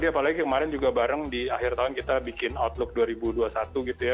apalagi kemarin juga bareng di akhir tahun kita bikin outlook dua ribu dua puluh satu gitu ya